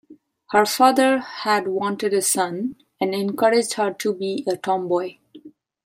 Her father had wanted a son, and encouraged her to be a tomboy.